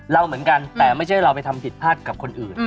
เราเหมือนกันแต่ไม่ใช่เราไปทำผิดพลาดกับคนอื่น